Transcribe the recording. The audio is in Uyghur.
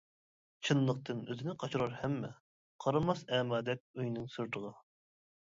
چىنلىقتىن ئۆزىنى قاچۇرار ھەممە، قارىماس ئەمادەك ئۆينىڭ سىرتىغا.